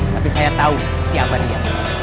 tapi saya tahu siapa dia